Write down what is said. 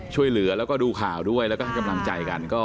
ช่วยเหลือแล้วก็ดูข่าวด้วยแล้วก็ให้กำลังใจกัน